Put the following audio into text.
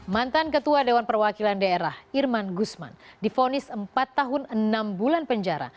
mantan ketua dewan perwakilan daerah irman gusman difonis empat tahun enam bulan penjara